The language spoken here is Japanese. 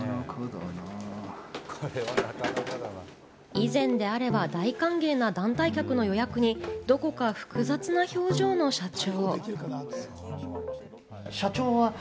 以前であれば大歓迎な団体客の予約に、どこか複雑な表情の社長。